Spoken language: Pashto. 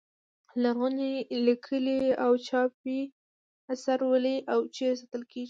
لرغوني لیکلي او چاپي اثار ولې او چیرې ساتل کیږي.